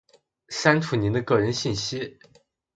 删除您的个人信息；